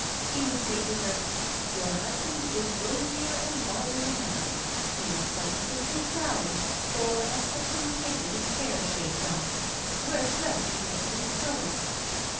He would say to her: "Your husband is rosier and balder than ever. He looks like a sickly flower, or a sucking pig with its hair shaved off. Where does he get these colors?"